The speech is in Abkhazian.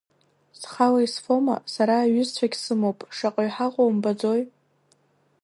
Схала исфома, сара аҩызцәагь сымоуп, шаҟаҩ ҳаҟоу умбаӡои?!